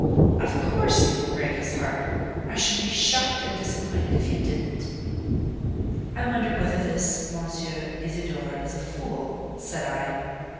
"Of course he will break his heart. I should be shocked and, disappointed if he didn't." "I wonder whether this M. Isidore is a fool?" said I.